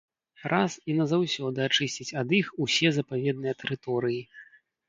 Раз і назаўсёды ачысціць ад іх усе запаведныя тэрыторыі.